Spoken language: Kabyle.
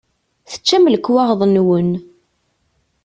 Teččam lekwaɣeḍ-nwen.